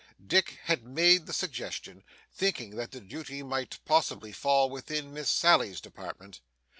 Dick had made the suggestion, thinking that the duty might possibly fall within Miss Sally's department.